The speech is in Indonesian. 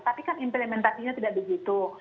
tapi kan implementasinya tidak begitu